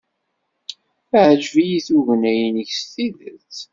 Teɛjeb-iyi tugna-nnek s tidet.